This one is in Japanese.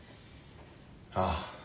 ああ。